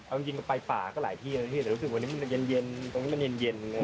เอาจริงไปป่าก็หลายที่แต่รู้สึกว่าวันนี้มันเย็น